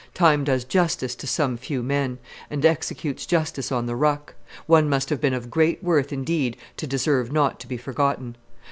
Time does justice to some few men, and executes justice on the ruck: one must have been of great worth indeed to deserve not to be forgotten.